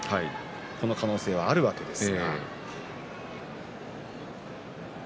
その可能性があるわけです。